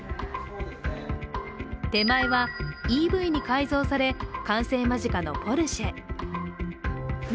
手前はＥＶに改造され完成間近のポルシェ。